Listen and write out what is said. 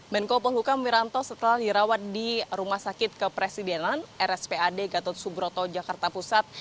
menko polhukam wiranto setelah dirawat di rumah sakit kepresidenan rspad gatot subroto jakarta pusat